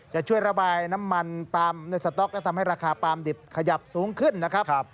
จะช่วยระบายน้ำมันปาล์มในสต๊อกและทำให้ราคาปาล์มดิบขยับสูงขึ้นนะครับ